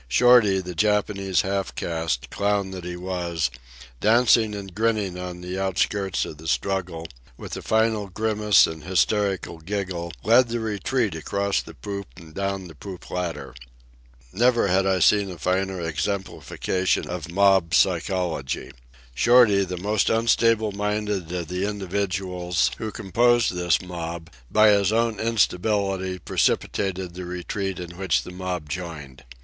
Shorty, the Japanese half caste, clown that he was, dancing and grinning on the outskirts of the struggle, with a final grimace and hysterical giggle led the retreat across the poop and down the poop ladder. Never had I seen a finer exemplification of mob psychology. Shorty, the most unstable minded of the individuals who composed this mob, by his own instability precipitated the retreat in which the mob joined.